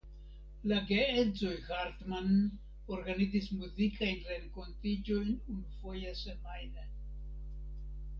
La geedzoj Hartmann organizis muzikajn renkontiĝojn unufoje semajne.